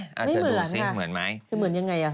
ไม่เหมือนค่ะคือเหมือนยังไง